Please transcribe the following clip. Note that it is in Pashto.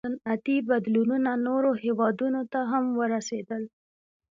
• صنعتي بدلونونه نورو هېوادونو ته هم ورسېدل.